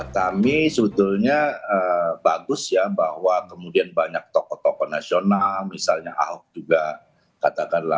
kami sebetulnya bagus ya bahwa kemudian banyak tokoh tokoh nasional misalnya ahok juga katakanlah